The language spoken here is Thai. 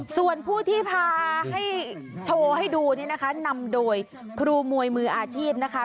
ส่วนผู้ที่พาให้โชว์ให้ดูนี่นะคะนำโดยครูมวยมืออาชีพนะคะ